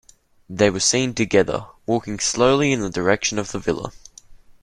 They were seen together, walking slowly in the direction of the villa.